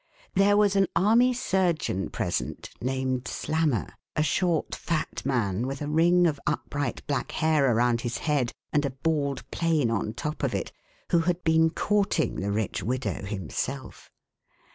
There was an army surgeon present named Slammer a short fat man with a ring of upright black hair around his head, and a bald plain on top of it who had been courting the rich widow himself.